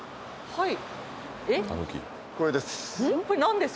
はい。